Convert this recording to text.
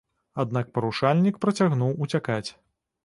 Аднак парушальнік працягнуў уцякаць.